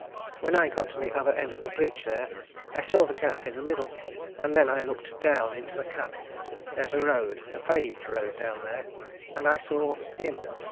When I got to the other end of the bridge, there, I saw the gap in the middle. And then I looked down into the cut there's a road a paved road down there, and I saw him!